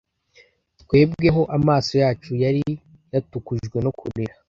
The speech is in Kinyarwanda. Twebweho, amaso yacu yari yatukujwe no kurira,